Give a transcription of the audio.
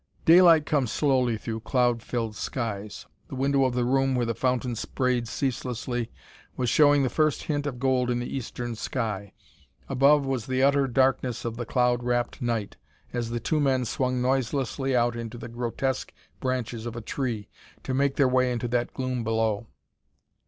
Daylight comes slowly through cloud filled skies; the window of the room where the fountain sprayed ceaselessly was showing the first hint of gold in the eastern sky. Above was the utter darkness of the cloud wrapped night as the two men swung noiselessly out into the grotesque branches of a tree to make their way into the gloom below.